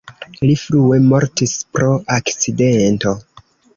Li frue mortis pro akcidento.